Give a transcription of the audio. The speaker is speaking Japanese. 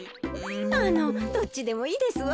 あのどっちでもいいですわ。